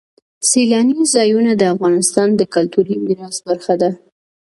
سیلاني ځایونه د افغانستان د کلتوري میراث برخه ده.